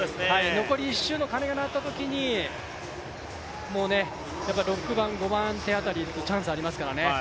残り１周の鐘が鳴ったときに、６番、５番手辺りはチャンスがありますからね。